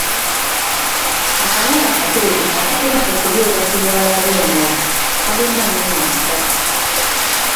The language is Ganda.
Akabala akeeru akatera okubeera ku lwala lw'engalo kalina amannya asatu.